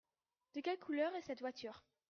De quelle couleur est cette voiture ?